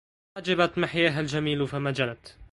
حجبت محياها الجميل فما جنت